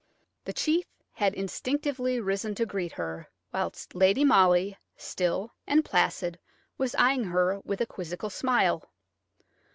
The chief had instinctively risen to greet her, whilst Lady Molly, still and placid, was eyeing her with a quizzical smile.